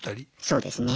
そうですね。